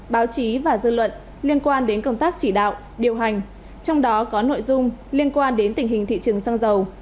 báo chí và dư luận liên quan đến công tác chỉ đạo điều hành trong đó có nội dung liên quan đến tình hình thị trường xăng dầu